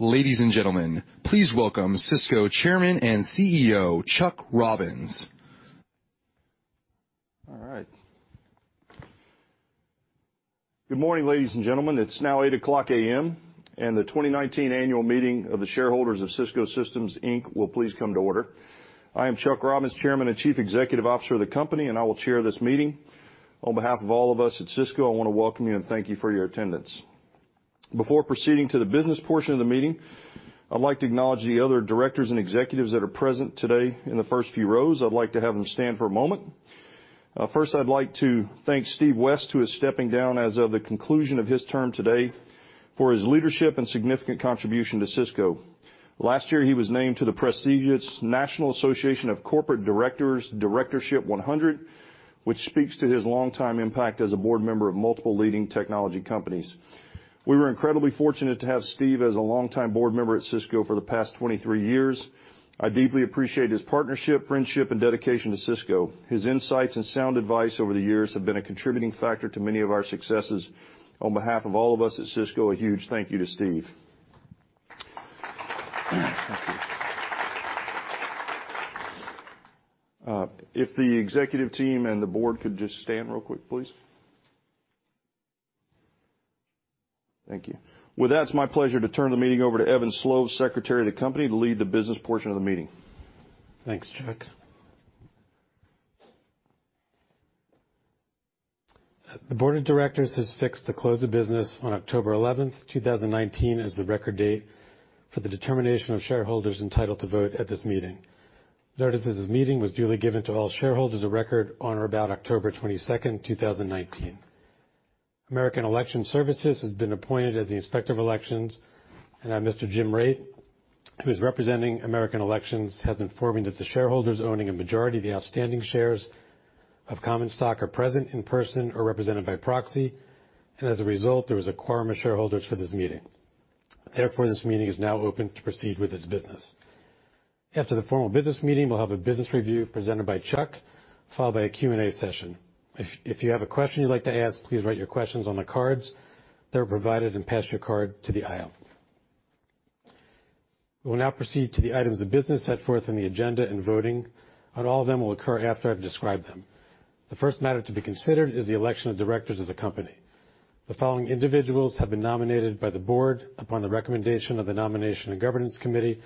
Ladies and gentlemen, please welcome Cisco Chairman and CEO, Chuck Robbins. All right. Good morning, ladies and gentlemen. It's now 8:00 A.M., and the 2019 annual meeting of the shareholders of Cisco Systems, Inc. will please come to order. I am Chuck Robbins, Chairman and Chief Executive Officer of the company, and I will chair this meeting. On behalf of all of us at Cisco, I want to welcome you and thank you for your attendance. Before proceeding to the business portion of the meeting, I'd like to acknowledge the other directors and executives that are present today in the first few rows. I'd like to have them stand for a moment. First, I'd like to thank Steve West, who is stepping down as of the conclusion of his term today, for his leadership and significant contribution to Cisco. Last year, he was named to the prestigious National Association of Corporate Directors Directorship 100, which speaks to his longtime impact as a board member of multiple leading technology companies. We were incredibly fortunate to have Steve as a longtime board member at Cisco for the past 23 years. I deeply appreciate his partnership, friendship, and dedication to Cisco. His insights and sound advice over the years have been a contributing factor to many of our successes. On behalf of all of us at Cisco, a huge thank you to Steve. Thank you. If the executive team and the board could just stand real quick, please. Thank you. With that, it's my pleasure to turn the meeting over to Evan Sloves, secretary of the company, to lead the business portion of the meeting. Thanks, Chuck. The board of directors has fixed to close of business on October 11th, 2019, as the record date for the determination of shareholders entitled to vote at this meeting. Notice of this meeting was duly given to all shareholders of record on or about October 22nd, 2019. American Election Services has been appointed as the inspector of elections, and Mr. Jim Rade, who is representing American Elections, has informed me that the shareholders owning a majority of the outstanding shares of common stock are present in person or represented by proxy, and as a result, there is a quorum of shareholders for this meeting. Therefore, this meeting is now open to proceed with its business. After the formal business meeting, we'll have a business review presented by Chuck, followed by a Q&A session. If you have a question you'd like to ask, please write your questions on the cards that are provided and pass your card to the aisle. We will now proceed to the items of business set forth in the agenda and voting on all of them will occur after I've described them. The first matter to be considered is the election of directors of the company. The following individuals have been nominated by the board upon the recommendation of the nomination and governance committee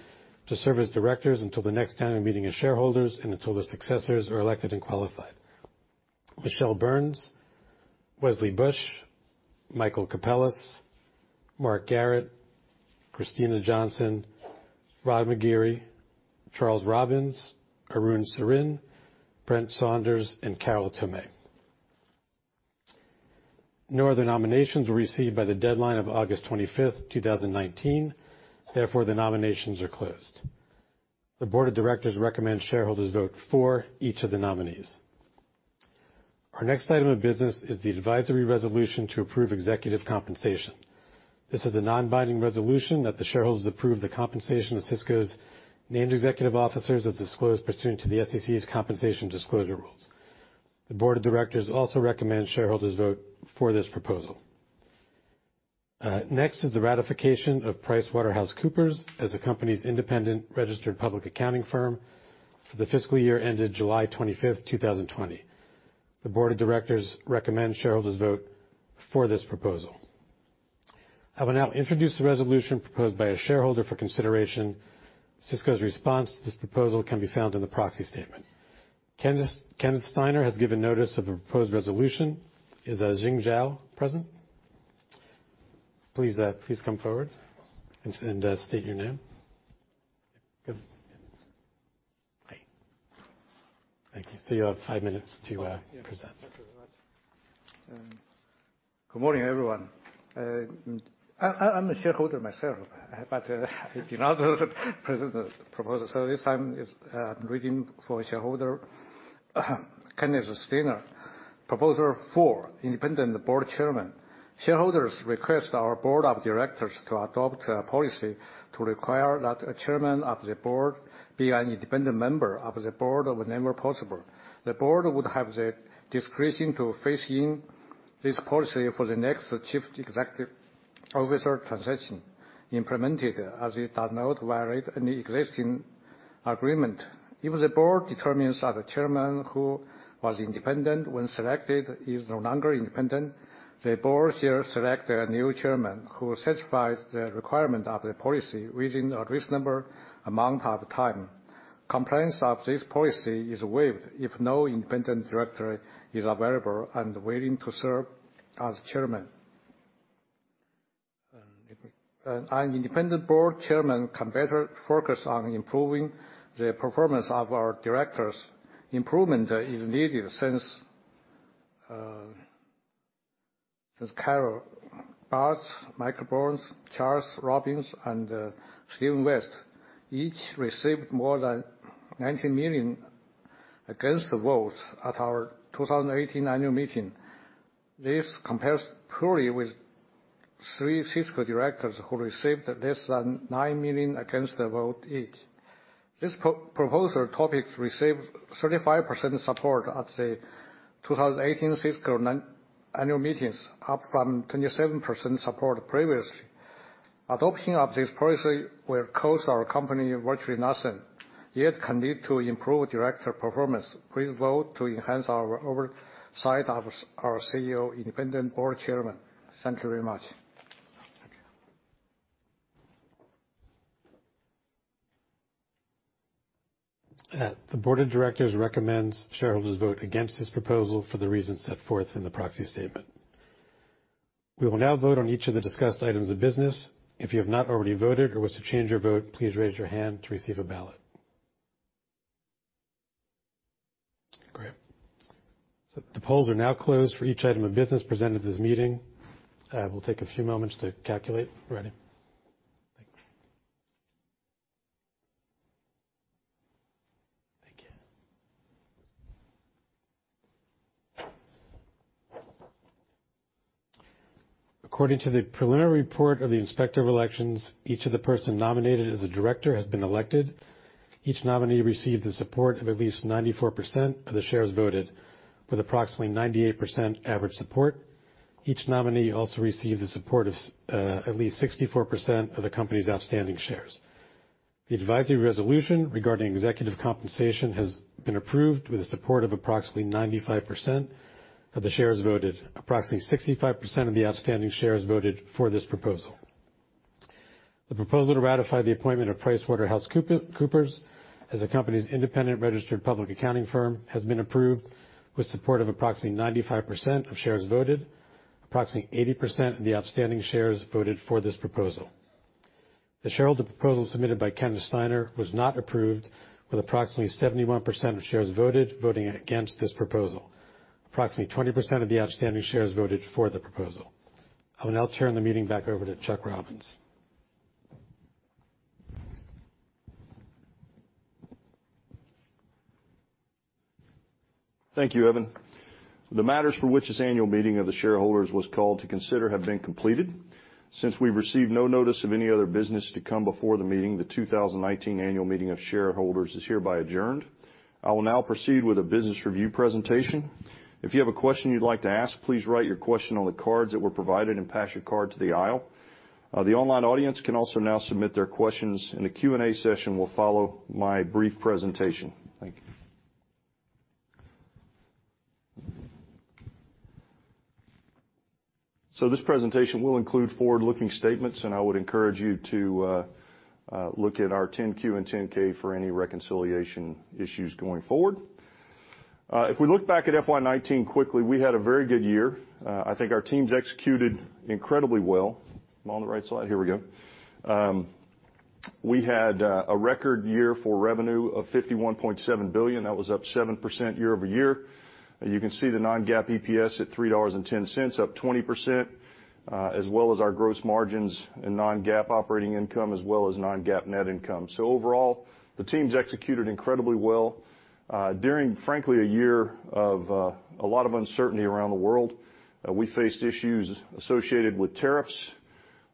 to serve as directors until the next annual meeting of shareholders and until their successors are elected and qualified. Michele Burns, Wesley Bush, Michael Capellas, Mark Garrett, Kristina Johnson, Rod McGeary, Charles Robbins, Arun Sarin, Brent Saunders, and Carol Tomé. No other nominations were received by the deadline of August 25th, 2019, therefore, the nominations are closed. The board of directors recommend shareholders vote for each of the nominees. Our next item of business is the advisory resolution to approve executive compensation. This is a non-binding resolution that the shareholders approve the compensation of Cisco's named executive officers as disclosed pursuant to the SEC's compensation disclosure rules. The board of directors also recommend shareholders vote for this proposal. Next is the ratification of PricewaterhouseCoopers as the company's independent registered public accounting firm for the fiscal year ended July 25th, 2020. The board of directors recommend shareholders vote for this proposal. I will now introduce the resolution proposed by a shareholder for consideration. Cisco's response to this proposal can be found in the proxy statement. Kenneth Steiner has given notice of the proposed resolution. Is Xing Xiao present? Please come forward and state your name. Hi. Thank you. You have five minutes to present. Thank you very much. Good morning, everyone. I'm a shareholder myself, I have been asked to present the proposal. This time it's reading for shareholder Kenneth Steiner. Proposal 4, independent board chairman. Shareholders request our board of directors to adopt a policy to require that a chairman of the board be an independent member of the board whenever possible. The board would have the discretion to phase in this policy for the next chief executive officer transition, implemented as it does not violate any existing agreement. If the board determines that a chairman who was independent when selected is no longer independent, the board shall select a new chairman who satisfies the requirement of the policy within a reasonable amount of time. Compliance of this policy is waived if no independent director is available and willing to serve as chairman. An independent board chairman can better focus on improving the performance of our directors. Improvement is needed since Carol Bartz, Michele Burns, Charles Robbins, and Steven West each received more than $19 million against the vote at our 2018 annual meeting. This compares poorly with three Cisco directors who received less than $9 million against the vote each. This proposal topic received 35% support at the 2018 Cisco annual meetings, up from 27% support previously. Adopting of this policy will cost our company virtually nothing, yet can lead to improved director performance. Please vote to enhance our oversight of our CEO, independent board chairman. Thank you very much. The board of directors recommends shareholders vote against this proposal for the reasons set forth in the proxy statement. We will now vote on each of the discussed items of business. If you have not already voted or wish to change your vote, please raise your hand to receive a ballot. Great. The polls are now closed for each item of business presented at this meeting. We'll take a few moments to calculate. Ready? Thanks. Thank you. According to the preliminary report of the Inspector of Elections, each of the person nominated as a director has been elected. Each nominee received the support of at least 94% of the shares voted, with approximately 98% average support. Each nominee also received the support of at least 64% of the company's outstanding shares. The advisory resolution regarding executive compensation has been approved with the support of approximately 95% of the shares voted. Approximately 65% of the outstanding shares voted for this proposal. The proposal to ratify the appointment of PricewaterhouseCoopers as the company's independent registered public accounting firm has been approved with support of approximately 95% of shares voted. Approximately 80% of the outstanding shares voted for this proposal. The shareholder proposal submitted by Kenneth Steiner was not approved with approximately 71% of shares voted, voting against this proposal. Approximately 20% of the outstanding shares voted for the proposal. I will now turn the meeting back over to Chuck Robbins. Thank you, Evan. The matters for which this annual meeting of the shareholders was called to consider have been completed. Since we've received no notice of any other business to come before the meeting, the 2019 annual meeting of shareholders is hereby adjourned. I will now proceed with a business review presentation. If you have a question you'd like to ask, please write your question on the cards that were provided and pass your card to the aisle. The online audience can also now submit their questions, and a Q&A session will follow my brief presentation. Thank you. This presentation will include forward-looking statements, and I would encourage you to look at our 10-Q and 10-K for any reconciliation issues going forward. If we look back at FY 2019 quickly, we had a very good year. I think our teams executed incredibly well. Am I on the right slide? Here we go. We had a record year for revenue of $51.7 billion. That was up 7% year-over-year. You can see the non-GAAP EPS at $3.10, up 20%, as well as our gross margins and non-GAAP operating income, as well as non-GAAP net income. Overall, the teams executed incredibly well, during, frankly, a year of a lot of uncertainty around the world. We faced issues associated with tariffs,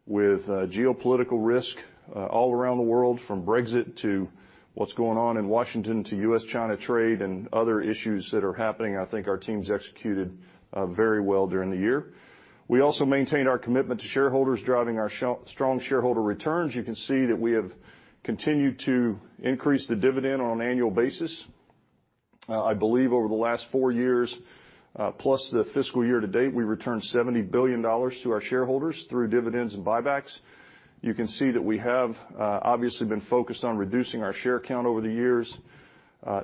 with geopolitical risk all around the world, from Brexit to what's going on in Washington to U.S.-China trade and other issues that are happening. I think our teams executed very well during the year. We also maintained our commitment to shareholders, driving our strong shareholder returns. You can see that we have continued to increase the dividend on an annual basis. I believe over the last four years, plus the fiscal year to date, we returned $70 billion to our shareholders through dividends and buybacks. You can see that we have obviously been focused on reducing our share count over the years,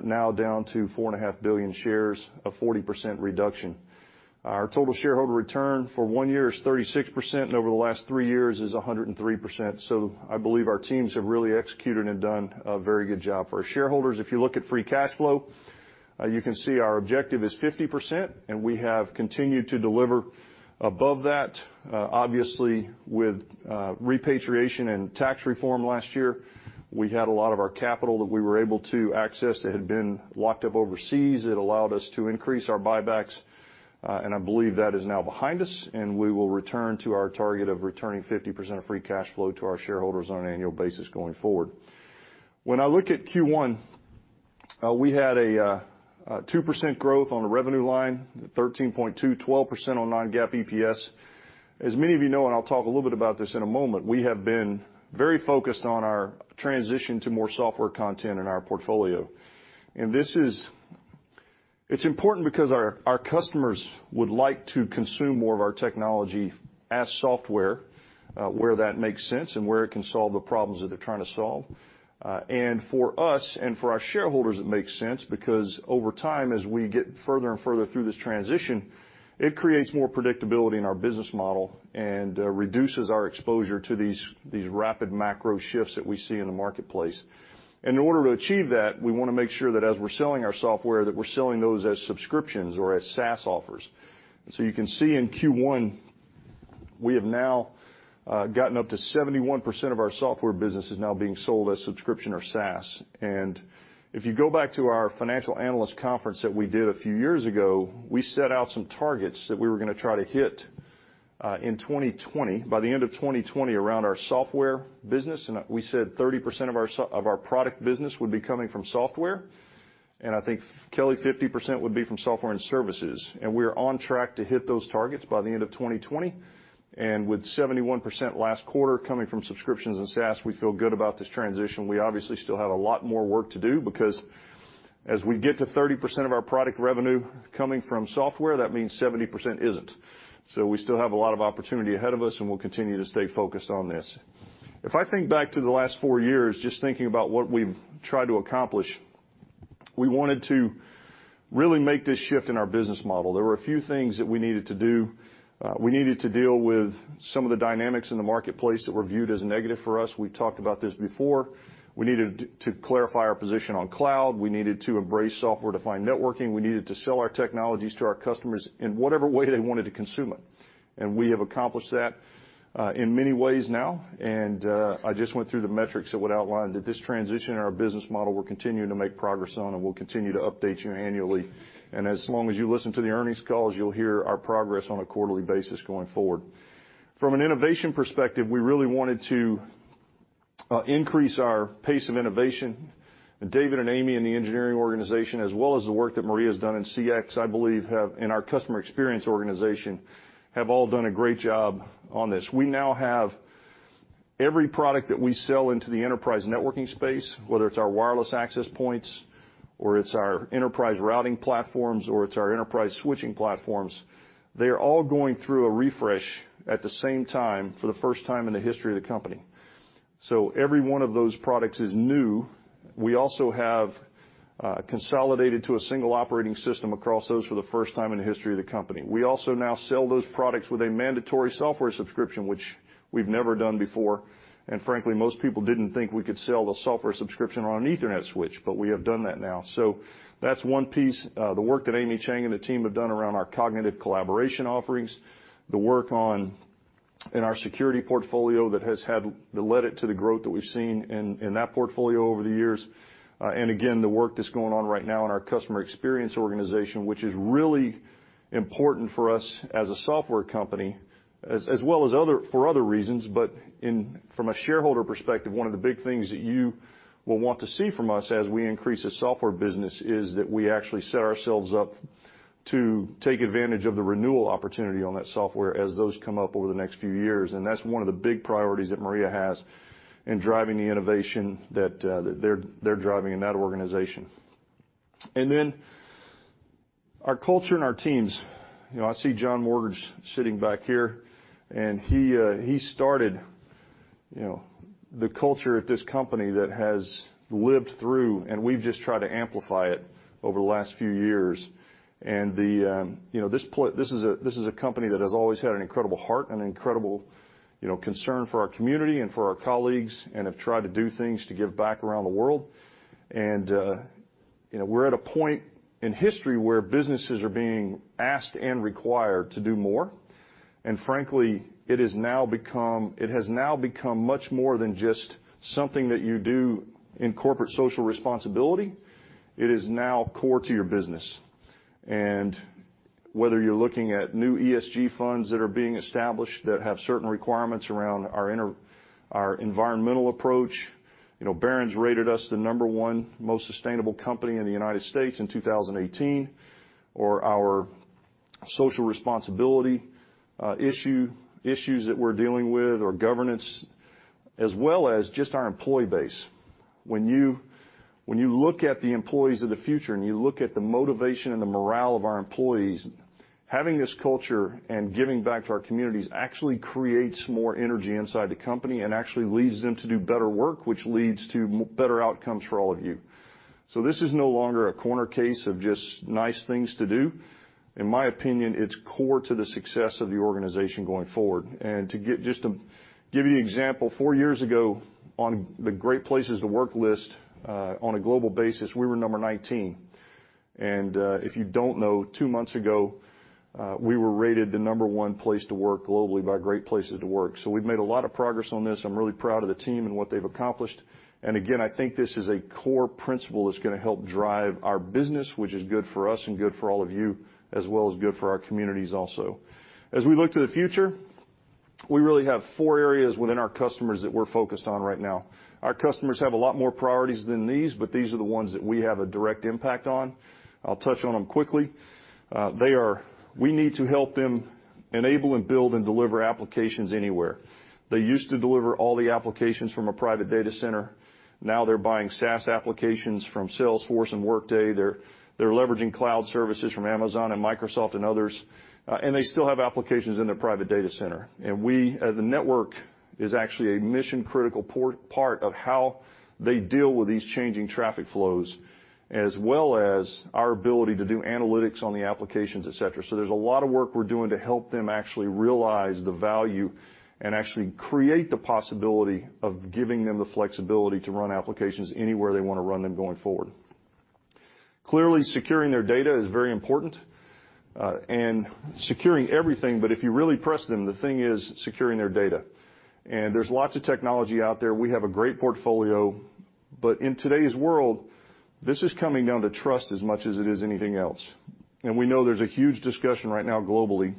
now down to 4.5 billion shares, a 40% reduction. Our total shareholder return for one year is 36%, and over the last three years is 103%. I believe our teams have really executed and done a very good job for our shareholders. If you look at free cash flow, you can see our objective is 50%, and we have continued to deliver above that. Obviously, with repatriation and tax reform last year, we had a lot of our capital that we were able to access that had been locked up overseas. It allowed us to increase our buybacks, and I believe that is now behind us, and we will return to our target of returning 50% of free cash flow to our shareholders on an annual basis going forward. When I look at Q1, we had a 2% growth on the revenue line to $13.2 billion 12% on non-GAAP EPS. As many of you know, and I'll talk a little bit about this in a moment, we have been very focused on our transition to more software content in our portfolio. It's important because our customers would like to consume more of our technology as software, where that makes sense and where it can solve the problems that they're trying to solve. For us and for our shareholders, it makes sense because over time, as we get further and further through this transition, it creates more predictability in our business model and reduces our exposure to these rapid macro shifts that we see in the marketplace. In order to achieve that, we want to make sure that as we're selling our software, that we're selling those as subscriptions or as SaaS offers. You can see in Q1, we have now gotten up to 71% of our software business is now being sold as subscription or SaaS. If you go back to our financial analyst conference that we did a few years ago, we set out some targets that we were going to try to hit. In 2020, by the end of 2020, around our software business, we said 30% of our product business would be coming from software, and I think, Kelly, 50% would be from software and services. We are on track to hit those targets by the end of 2020. With 71% last quarter coming from subscriptions and SaaS, we feel good about this transition. We obviously still have a lot more work to do because as we get to 30% of our product revenue coming from software, that means 70% isn't. We still have a lot of opportunity ahead of us, and we'll continue to stay focused on this. If I think back to the last four years, just thinking about what we've tried to accomplish, we wanted to really make this shift in our business model. There were a few things that we needed to do. We needed to deal with some of the dynamics in the marketplace that were viewed as a negative for us. We've talked about this before. We needed to clarify our position on cloud. We needed to embrace software-defined networking. We needed to sell our technologies to our customers in whatever way they wanted to consume it. We have accomplished that in many ways now. I just went through the metrics that would outline that this transition in our business model, we're continuing to make progress on, and we'll continue to update you annually. As long as you listen to the earnings calls, you'll hear our progress on a quarterly basis going forward. From an innovation perspective, we really wanted to increase our pace of innovation. David and Amy in the engineering organization, as well as the work that Maria has done in CX, I believe, and our customer experience organization, have all done a great job on this. We now have every product that we sell into the enterprise networking space, whether it's our wireless access points or it's our enterprise routing platforms or it's our enterprise switching platforms, they are all going through a refresh at the same time for the first time in the history of the company. Every one of those products is new. We also have consolidated to a single operating system across those for the first time in the history of the company. We also now sell those products with a mandatory software subscription, which we've never done before. Frankly, most people didn't think we could sell the software subscription on an ethernet switch, but we have done that now. That's one piece. The work that Amy Chang and the team have done around our cognitive collaboration offerings, the work in our security portfolio that led it to the growth that we've seen in that portfolio over the years. Again, the work that's going on right now in our customer experience organization, which is really important for us as a software company, as well as for other reasons. From a shareholder perspective, one of the big things that you will want to see from us as we increase the software business is that we actually set ourselves up to take advantage of the renewal opportunity on that software as those come up over the next few years. That's one of the big priorities that Maria has in driving the innovation that they're driving in that organization. Our culture and our teams. I see John Morgridge sitting back here, and he started the culture at this company that has lived through, and we've just tried to amplify it over the last few years. This is a company that has always had an incredible heart and an incredible concern for our community and for our colleagues and have tried to do things to give back around the world. We're at a point in history where businesses are being asked and required to do more. Frankly, it has now become much more than just something that you do in corporate social responsibility. It is now core to your business. Whether you're looking at new ESG funds that are being established that have certain requirements around our environmental approach. Barron's rated us the number one most sustainable company in the United States in 2018. Our social responsibility issues that we're dealing with or governance, as well as just our employee base. When you look at the employees of the future and you look at the motivation and the morale of our employees, having this culture and giving back to our communities actually creates more energy inside the company and actually leads them to do better work, which leads to better outcomes for all of you. This is no longer a corner case of just nice things to do. In my opinion, it's core to the success of the organization going forward. Just to give you an example, four years ago on the Great Place to Work list, on a global basis, we were number 19. If you don't know, two months ago, we were rated the number 1 place to work globally by Great Place to Work. We've made a lot of progress on this. I'm really proud of the team and what they've accomplished. Again, I think this is a core principle that's going to help drive our business, which is good for us and good for all of you, as well as good for our communities also. As we look to the future, we really have four areas within our customers that we're focused on right now. Our customers have a lot more priorities than these, but these are the ones that we have a direct impact on. I'll touch on them quickly. We need to help them enable and build and deliver applications anywhere. They used to deliver all the applications from a private data center. Now they're buying SaaS applications from Salesforce and Workday. They're leveraging cloud services from Amazon and Microsoft and others, and they still have applications in their private data center. The network is actually a mission-critical part of how they deal with these changing traffic flows, as well as our ability to do analytics on the applications, et cetera. There's a lot of work we're doing to help them actually realize the value and actually create the possibility of giving them the flexibility to run applications anywhere they want to run them going forward. Clearly, securing their data is very important. Securing everything, but if you really press them, the thing is securing their data. There's lots of technology out there. We have a great portfolio. In today's world, this is coming down to trust as much as it is anything else. We know there's a huge discussion right now globally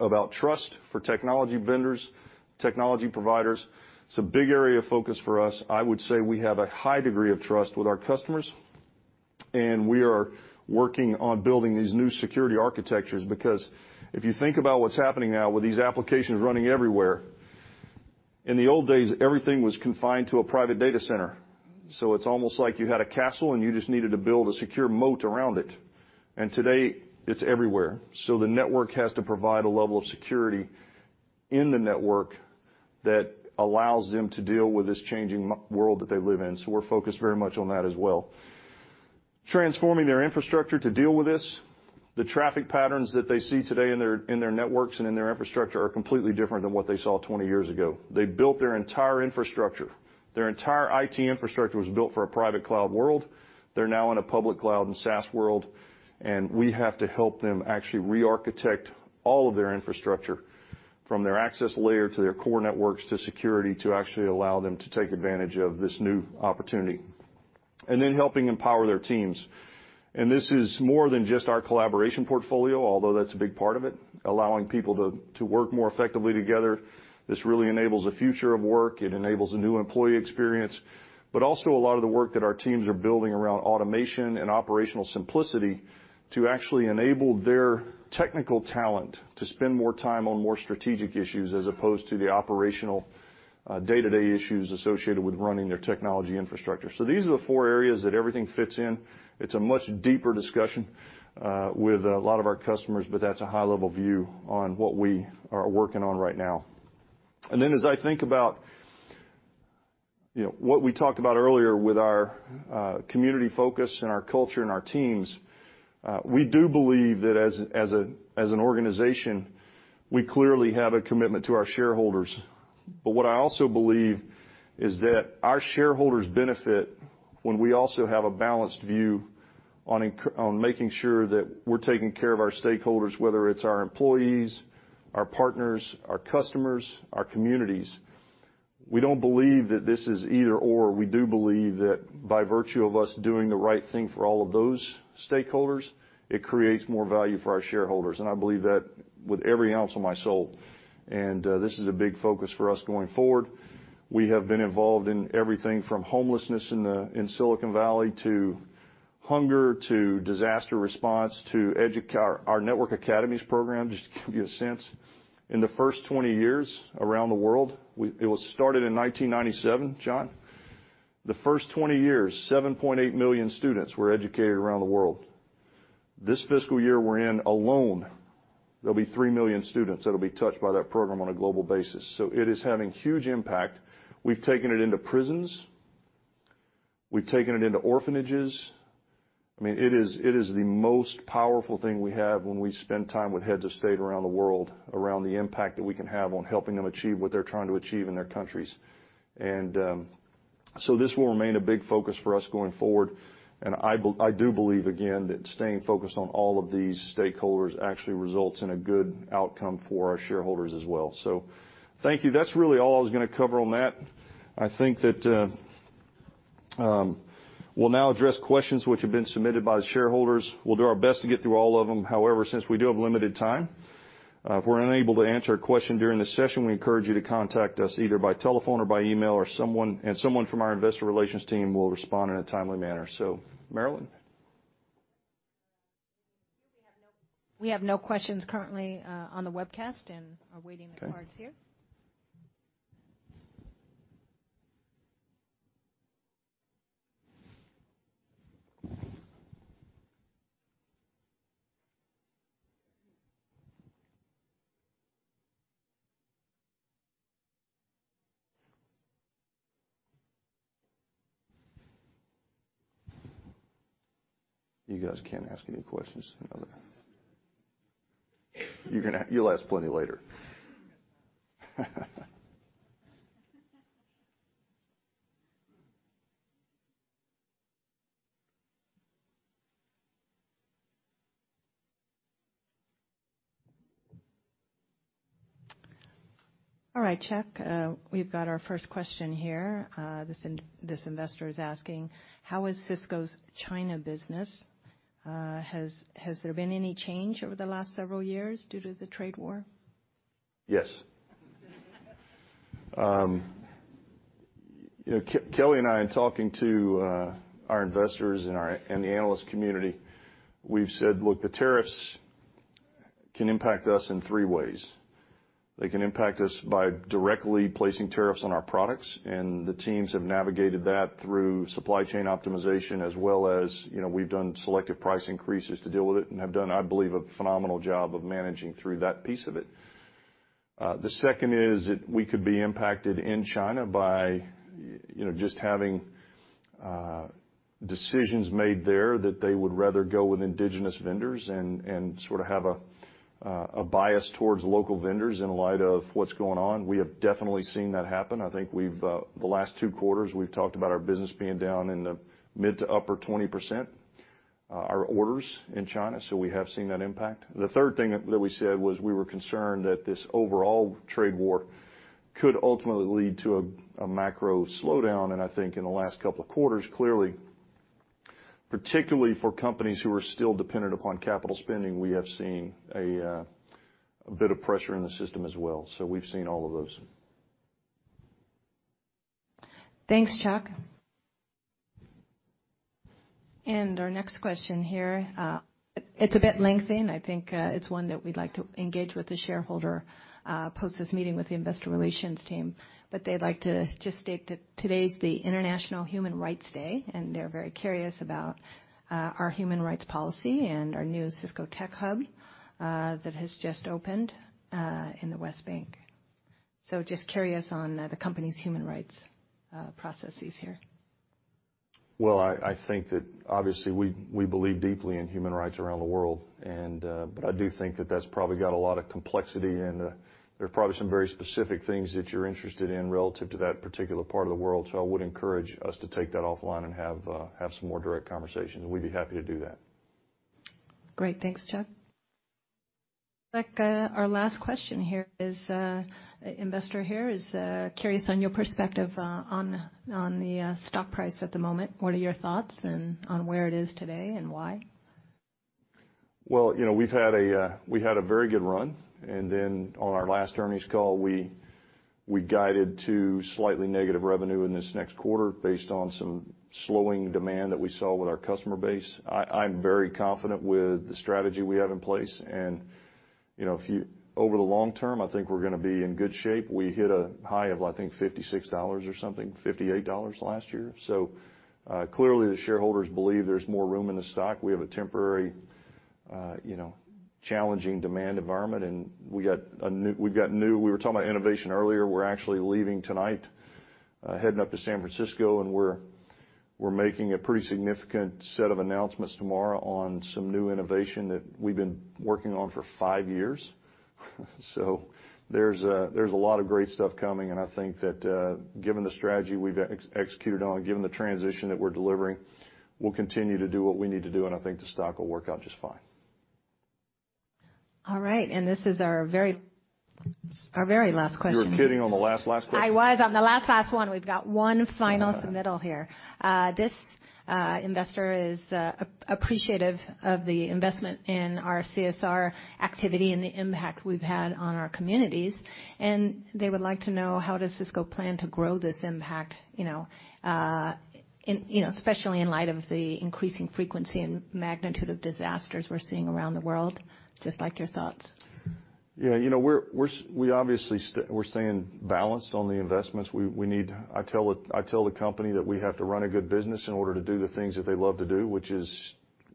about trust for technology vendors, technology providers. It's a big area of focus for us. I would say we have a high degree of trust with our customers, and we are working on building these new security architectures because if you think about what's happening now with these applications running everywhere, in the old days, everything was confined to a private data center. It's almost like you had a castle, and you just needed to build a secure moat around it. Today, it's everywhere. The network has to provide a level of security in the network that allows them to deal with this changing world that they live in. We're focused very much on that as well. Transforming their infrastructure to deal with this. The traffic patterns that they see today in their networks and in their infrastructure are completely different than what they saw 20 years ago. They built their entire infrastructure. Their entire IT infrastructure was built for a private cloud world. They're now in a public cloud and SaaS world, and we have to help them actually re-architect all of their infrastructure, from their access layer to their core networks to security, to actually allow them to take advantage of this new opportunity. Then helping empower their teams. This is more than just our collaboration portfolio, although that's a big part of it, allowing people to work more effectively together. This really enables a future of work. It enables a new employee experience. Also a lot of the work that our teams are building around automation and operational simplicity to actually enable their technical talent to spend more time on more strategic issues as opposed to the operational day-to-day issues associated with running their technology infrastructure. These are the four areas that everything fits in. It's a much deeper discussion with a lot of our customers, but that's a high-level view on what we are working on right now. As I think about what we talked about earlier with our community focus and our culture and our teams, we do believe that as an organization, we clearly have a commitment to our shareholders. What I also believe is that our shareholders benefit when we also have a balanced view on making sure that we're taking care of our stakeholders, whether it's our employees, our partners, our customers, our communities. We don't believe that this is either/or. We do believe that by virtue of us doing the right thing for all of those stakeholders, it creates more value for our shareholders. I believe that with every ounce of my soul. This is a big focus for us going forward. We have been involved in everything from homelessness in Silicon Valley to hunger to disaster response to Our Network Academies program, just to give you a sense, in the first 20 years around the world, it was started in 1997, John. The first 20 years, 7.8 million students were educated around the world. This fiscal year we're in alone, there'll be 3 million students that'll be touched by that program on a global basis. It is having huge impact. We've taken it into prisons. We've taken it into orphanages. It is the most powerful thing we have when we spend time with heads of state around the world around the impact that we can have on helping them achieve what they're trying to achieve in their countries. This will remain a big focus for us going forward, and I do believe, again, that staying focused on all of these stakeholders actually results in a good outcome for our shareholders as well. Thank you. That's really all I was going to cover on that. I think that we'll now address questions which have been submitted by the shareholders. We'll do our best to get through all of them. Since we do have limited time, if we're unable to answer a question during this session, we encourage you to contact us either by telephone or by email, and someone from our investor relations team will respond in a timely manner. Marilyn? We have no questions currently on the webcast and are waiting for cards here. You guys can ask any questions. You'll ask plenty later. All right, Chuck, we've got our first question here. This investor is asking, "How is Cisco's China business? Has there been any change over the last several years due to the trade war? Yes. Kelly and I, in talking to our investors and the analyst community, we've said, "Look, the tariffs can impact us in three ways." They can impact us by directly placing tariffs on our products, and the teams have navigated that through supply chain optimization as well as we've done selective price increases to deal with it and have done, I believe, a phenomenal job of managing through that piece of it. The second is that we could be impacted in China by just having decisions made there that they would rather go with indigenous vendors and sort of have a bias towards local vendors in light of what's going on. We have definitely seen that happen. I think the last two quarters, we've talked about our business being down in the mid to upper 20%. Our orders in China. We have seen that impact. The third thing that we said was we were concerned that this overall trade war could ultimately lead to a macro slowdown. I think in the last couple of quarters, clearly, particularly for companies who are still dependent upon capital spending, we have seen a bit of pressure in the system as well. We've seen all of those. Thanks, Chuck. Our next question here, it's a bit lengthy, and I think it's one that we'd like to engage with the shareholder post this meeting with the investor relations team. They'd like to just state that today's the International Human Rights Day, and they're very curious about our human rights policy and our new Cisco Tech Hub that has just opened in the West Bank. Just curious on the company's human rights processes here. Well, I think that obviously, we believe deeply in human rights around the world. I do think that that's probably got a lot of complexity, and there are probably some very specific things that you're interested in relative to that particular part of the world. I would encourage us to take that offline and have some more direct conversation. We'd be happy to do that. Great. Thanks, Chuck. Our last question here is. An investor here is curious on your perspective on the stock price at the moment. What are your thoughts on where it is today and why? Well, we've had a very good run. On our last earnings call, we guided to slightly negative revenue in this next quarter based on some slowing demand that we saw with our customer base. I'm very confident with the strategy we have in place. Over the long term, I think we're going to be in good shape. We hit a high of, I think, $56 or something, $58 last year. Clearly, the shareholders believe there's more room in the stock. We have a temporary challenging demand environment. We were talking about innovation earlier. We're actually leaving tonight heading up to San Francisco, and we're making a pretty significant set of announcements tomorrow on some new innovation that we've been working on for five years. There's a lot of great stuff coming, and I think that given the strategy we've executed on, given the transition that we're delivering, we'll continue to do what we need to do, and I think the stock will work out just fine. All right. This is our very last question. You're kidding on the last question. I was on the last one. We've got one final submittal here. This investor is appreciative of the investment in our CSR activity and the impact we've had on our communities. They would like to know how does Cisco plan to grow this impact especially in light of the increasing frequency and magnitude of disasters we're seeing around the world. Just like your thoughts. We obviously we're staying balanced on the investments we need. I tell the company that we have to run a good business in order to do the things that they love to do, which is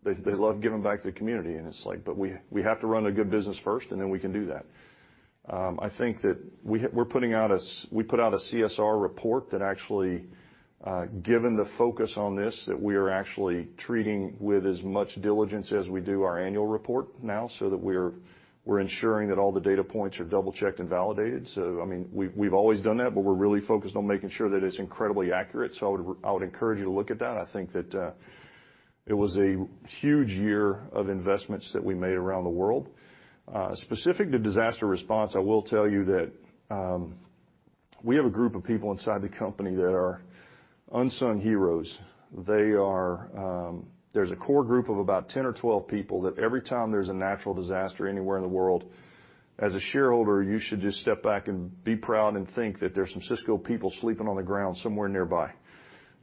they love giving back to the community, and it's like, but we have to run a good business first, and then we can do that. I think that we put out a CSR report that actually given the focus on this, that we are actually treating with as much diligence as we do our annual report now, so that we're ensuring that all the data points are double-checked and validated. I mean, we've always done that, but we're really focused on making sure that it's incredibly accurate. I would encourage you to look at that. I think that it was a huge year of investments that we made around the world. Specific to disaster response, I will tell you that we have a group of people inside the company that are unsung heroes. There's a core group of about 10 or 12 people that every time there's a natural disaster anywhere in the world, as a shareholder, you should just step back and be proud and think that there's some Cisco people sleeping on the ground somewhere nearby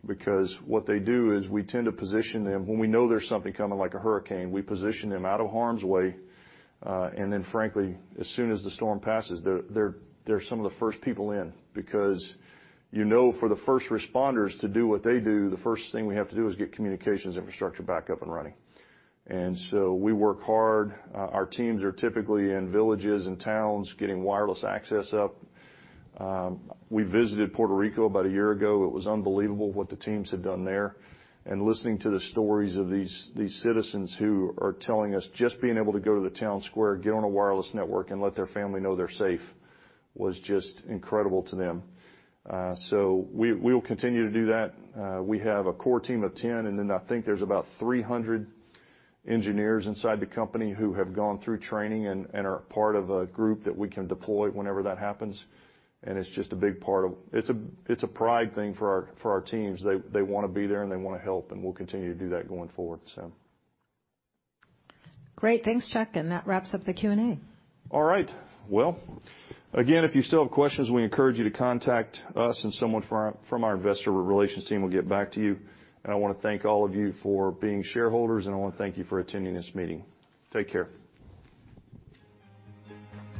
because what they do is we tend to position them when we know there's something coming like a hurricane, we position them out of harm's way. Then frankly, as soon as the storm passes, they're some of the first people in, because you know for the first responders to do what they do, the first thing we have to do is get communications infrastructure back up and running. So we work hard. Our teams are typically in villages and towns getting wireless access up. We visited Puerto Rico about a year ago. It was unbelievable what the teams had done there. Listening to the stories of these citizens who are telling us just being able to go to the town square, get on a wireless network, and let their family know they're safe was just incredible to them. We will continue to do that. We have a core team of 10, and then I think there's about 300 engineers inside the company who have gone through training and are part of a group that we can deploy whenever that happens. It's a pride thing for our teams. They want to be there and they want to help, and we'll continue to do that going forward. Great. Thanks, Chuck. That wraps up the Q&A. All right. Well, again, if you still have questions, we encourage you to contact us and someone from our investor relations team will get back to you. I want to thank all of you for being shareholders, and I want to thank you for attending this meeting. Take care.